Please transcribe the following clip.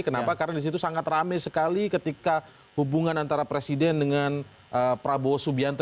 kenapa karena disitu sangat rame sekali ketika hubungan antara presiden dengan prabowo subianto